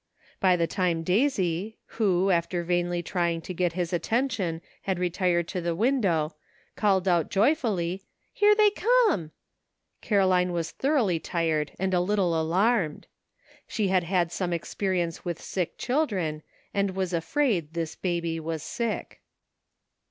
By the time Daisy, who, after vainly trying to get his attention, had retired to the window, called out joyfully, " There they come !" Caro line was thoroughly tired and a little alarmed ; she had had some experience with sick children, and was afraid this baby was sick. NIGHT WORK.